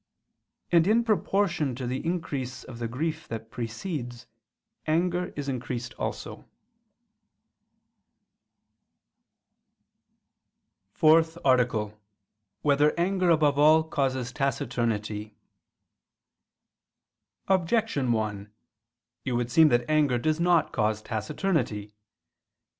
And in proportion to the increase of the grief that precedes, anger is increased also. ________________________ FOURTH ARTICLE [I II, Q. 48, Art. 4] Whether Anger Above All Causes Taciturnity? Objection 1: It would seem that anger does not cause taciturnity.